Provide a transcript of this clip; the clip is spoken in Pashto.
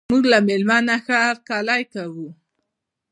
موږ له میلمانه ښه هرکلی کوو.